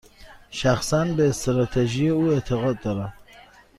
شخصا، به استراتژی او اعتقاد دارم.